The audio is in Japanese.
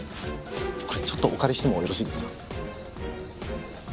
これちょっとお借りしてもよろしいですか？